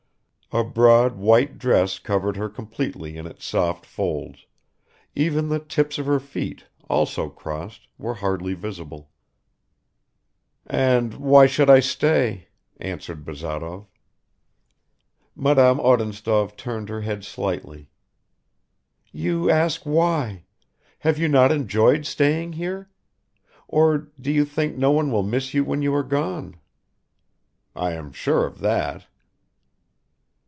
A broad white dress covered her completely in its soft folds; even the tips of her feet, also crossed, were hardly visible. "And why should I stay?" answered Bazarov. Madame Odintsov turned her head slightly. "You ask why. Have you not enjoyed staying here? Or do you think no one will miss you when you are gone?" "I am sure of that."